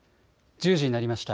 １０時になりました。